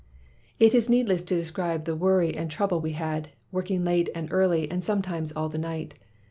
"It is needless to describe the worry and trouble we had, working late and early, and sometimes all the night.